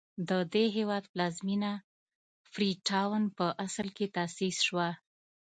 د دې هېواد پلازمېنه فري ټاون په اصل کې تاسیس شوه.